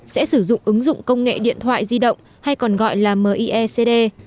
sẽ sử dụng ứng dụng công nghệ điện thoại di động hay còn gọi là miecd